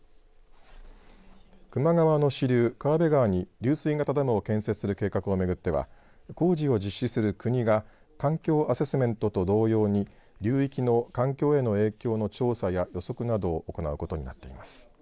球磨川の支流、川辺川に流水型ダムを建設する計画を巡っては工事を実施する国が環境アセスメントと同様に流域の環境への影響の調査や予測などを行うことになっています。